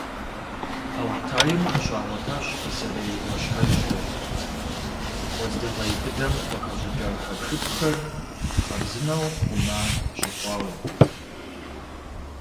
Алтайм къыщагъуэтащ пасэрей Ӏуащхьэжьхэр, уэздыгъей быдэм къыхэщӀыкӀа хьэпшыпхэр хъарзынэу хъума щыхъуауэ.